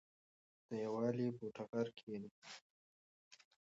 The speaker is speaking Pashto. د یووالي په ټغر کېنئ.